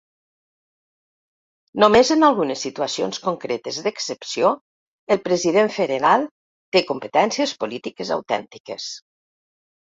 Només en algunes situacions concretes d'excepció el President Federal té competències polítiques autèntiques.